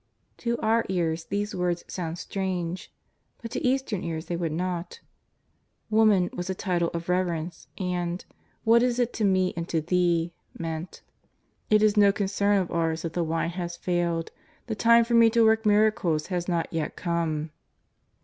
To our ears these words sound strange, but to Eastern ears they would not. ^' Woman " was a title of rever ence, and '' what is it to Me and to thee ?" meant: '' It yEStrS OF TTAZAEETH. T4:l is no concern of ours that the wine has failed ; the time for Me to work miracles has not yet come."